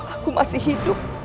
aku masih hidup